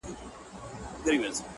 • ستا دردونه خو کټ مټ لکه شراب دي..